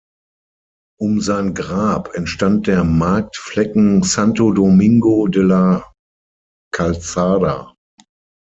Um sein Grab entstand der Marktflecken Santo Domingo de la Calzada.